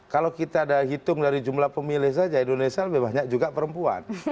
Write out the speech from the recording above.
kalau kita ada hitung dari jumlah pemilih saja indonesia lebih banyak juga perempuan